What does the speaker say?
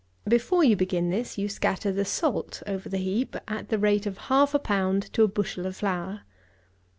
Before you begin this, you scatter the salt over the heap at the rate of half a pound to a bushel of flour.